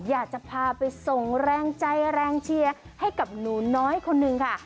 อยากจะพาไปส่งแรงใจแรงเชียร์ให้กับหนูน้อยคนนึงค่ะ